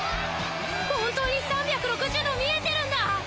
本当に３６０°見えてるんだ！